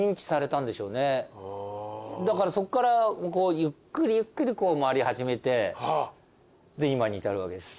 だからそっからこうゆっくりゆっくり回り始めてで今に至るわけです。